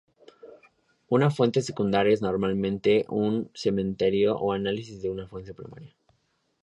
Una fuente secundaria es normalmente un comentario o análisis de una fuente primaria.